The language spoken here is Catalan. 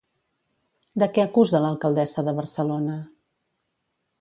De què acusa l'alcaldessa de Barcelona?